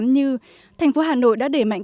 như thành phố hà nội đã để mạnh